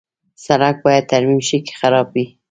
سړک باید ترمیم شي که خراب وي.